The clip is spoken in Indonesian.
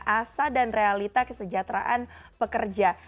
asa dan realita kesejahteraan pekerja